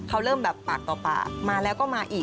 เขาเริ่มแบบปากต่อปากมาแล้วก็มาอีก